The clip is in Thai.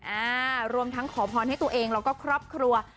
อ่ารวมทั้งขอพรให้ตัวเองแล้วก็ครอบครัว